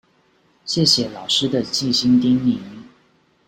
謝謝老師的細心叮嚀